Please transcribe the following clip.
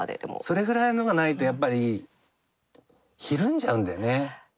それぐらいのがないとやっぱりひるんじゃうんだよね。